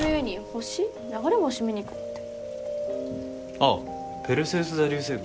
あっペルセウス座流星群。